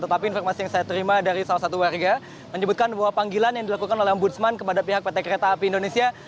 tetapi informasi yang saya terima dari salah satu warga menyebutkan bahwa panggilan yang dilakukan oleh ombudsman kepada pihak pt kereta api indonesia